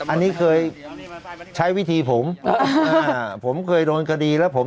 อันนี้เคยใช้วิธีผมผมเคยโดนคดีแล้วผม